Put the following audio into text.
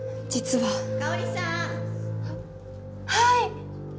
はい。